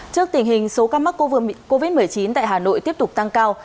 trước tình hình số ca mắc covid một mươi chín tại hà nội tiếp tục tăng cao